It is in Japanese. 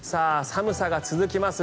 寒さが続きます。